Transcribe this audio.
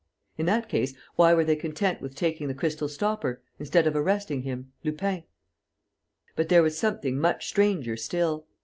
In that case, why were they content with taking the crystal stopper, instead of arresting him, Lupin? But there was something much stranger still.